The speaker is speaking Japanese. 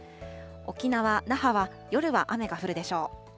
沖縄・那覇は夜は雨が降るでしょう。